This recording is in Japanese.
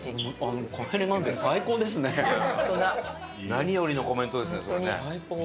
何よりのコメントですねそれね。